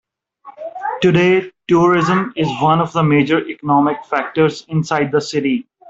Today, tourism is one of the major economic factors inside the city.